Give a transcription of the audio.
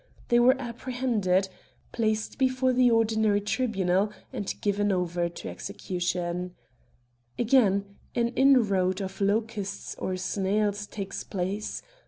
They were apprehended, 57 Curiosities of Olden Times placed before the ordinary tribunal, and given over to execution. Again : an inroad of locusts or snails takes place.